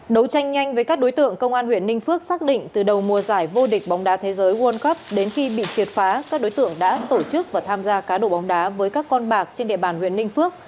đấu tranh nhanh với các đối tượng công an huyện ninh phước xác định từ đầu mùa giải vô địch bóng đá thế giới world cup đến khi bị triệt phá các đối tượng đã tổ chức và tham gia cá độ bóng đá với các con bạc trên địa bàn huyện ninh phước